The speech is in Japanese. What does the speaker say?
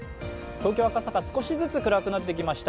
東京・赤坂、少しずつ暗くなってきました。